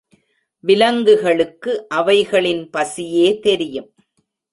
விலங்குகளுக்கு அவைகளின் பசியே தெரியும்.